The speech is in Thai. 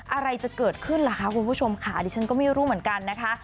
อะไรจะเกิดขึ้นล่ะคะคุณผู้ชมค่ะดิฉันก็ไม่รู้เหมือนกันนะคะ